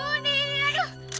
belom ada kan